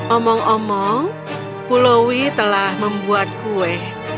omong omong pulaui telah membuat kue